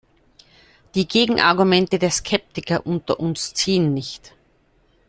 Die "Gegenargumente" der Skeptiker unter uns ziehen nicht.